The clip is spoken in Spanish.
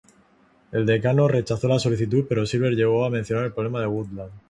El decano rechazó la solicitud, pero Silver llegó a mencionar el problema a Woodland.